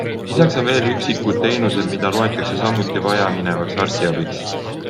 Lisaks on veel üksikud teenused, mida loetakse samuti vajaminevaks arstiabiks.